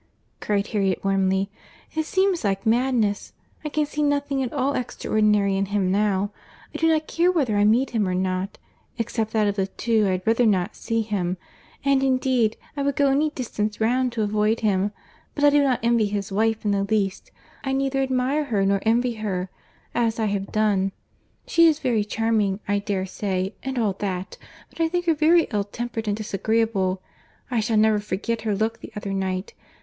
cried Harriet, warmly. "It seems like madness! I can see nothing at all extraordinary in him now.—I do not care whether I meet him or not—except that of the two I had rather not see him—and indeed I would go any distance round to avoid him—but I do not envy his wife in the least; I neither admire her nor envy her, as I have done: she is very charming, I dare say, and all that, but I think her very ill tempered and disagreeable—I shall never forget her look the other night!